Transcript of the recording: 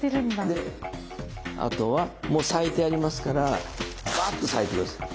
であとはもう裂いてありますからバーッと裂いて下さい。